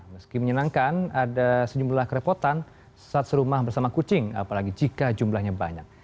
meski menyenangkan ada sejumlah kerepotan saat serumah bersama kucing apalagi jika jumlahnya banyak